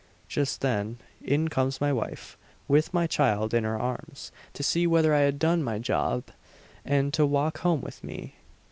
Just then, in comes my wife, with my child in her arms, to see whether I had done my job, and to walk home with me.